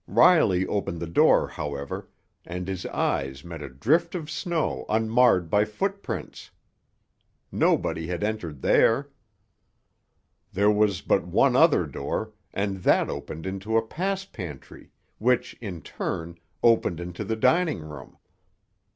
Riley opened the door, however, and his eyes met a drift of snow unmarred by footprints. Nobody had entered there. There was but one other door, and that opened into a pass pantry, which, in turn, opened into the dining room.